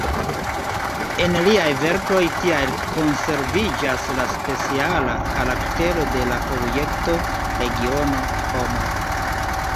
En liaj verkoj tial konserviĝas la speciala karaktero de la objekto, regiono, homo.